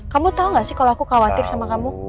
kamu tau gak sih kalau aku khawatir sama kamu